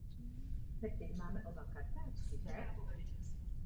Pramení na východních svazích centrálních And.